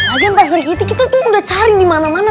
agak pak sri giti kita tuh udah cari dimana mana